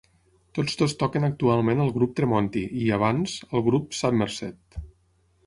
Tots dos toquen actualment al grup Tremonti i, abans, al grup Submersed.